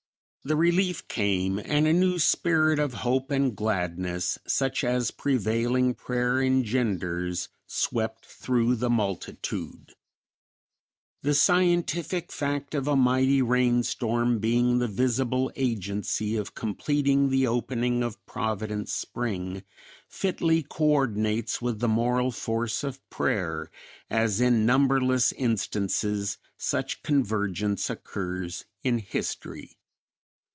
The relief came and a new spirit of hope and gladness, such as prevailing prayer engenders, swept through the multitude. The scientific fact of a mightly rain storm being the visible agency of completing the opening of Providence Spring fitly coordinates with the moral force of prayer, as in numberless instances such convergence occurs in history.